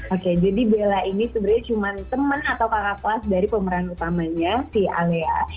oke jadi bella ini sebenarnya cuma teman atau kakak kelas dari pemeran utamanya si alia